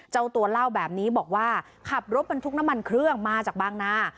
เจ้าตัวเล่าแบบนี้บอกว่าขับรถบรรทุกน้ำมันเครื่องมาจากบางนา